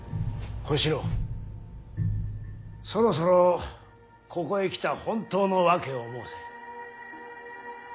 小四郎そろそろここへ来た本当の訳を申せ。